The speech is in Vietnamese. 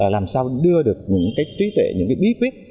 làm sao đưa được những cái trí tuệ những cái bí quyết